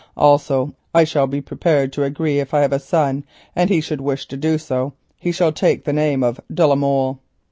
Also, I am prepared to agree that if we have a son, and he should wish to do so, he shall take the name of de la Molle."